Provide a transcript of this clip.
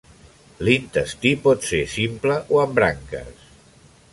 L'intestí pot ser simple o amb branques.